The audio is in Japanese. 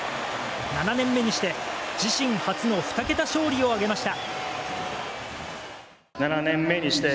７年目にして自身初の２桁勝利を挙げました。